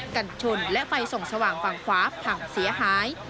กันชนและไฟส่องสว่างฝั่งขวาพังเสียหาย